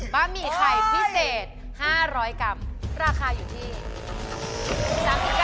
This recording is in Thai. ะหมี่ไข่พิเศษ๕๐๐กรัมราคาอยู่ที่๓๐บาท